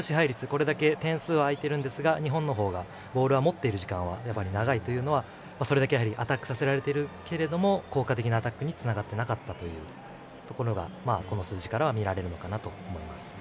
これだけ点数は開いているんですが日本の方がボールを持っている時間が長いというのはそれだけアタックをさせられているけれども効果的なアタックにつながっていなかったということがこの数字からは見られるのかなと思います。